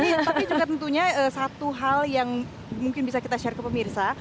tapi juga tentunya satu hal yang mungkin bisa kita share ke pemirsa